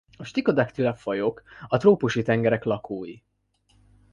A Stichodactylidae-fajok a trópusi tengerek lakói.